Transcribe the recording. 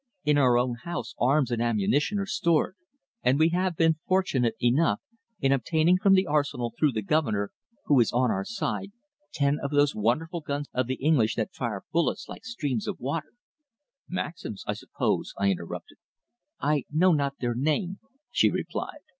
In our own house arms and ammunition are stored, and we have been fortunate enough in obtaining from the arsenal through the governor, who is on our side, ten of those wonderful guns of the English that fire bullets like streams of water." "Maxims, I suppose," I interrupted. "I know not their name," she replied.